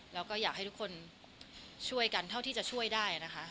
แล้วก็อยากให้ทุกคนช่วยกันเท่าที่จะช่วยได้นะคะ